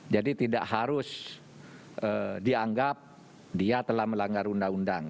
jadi tidak harus dianggap dia telah melanggar undang undang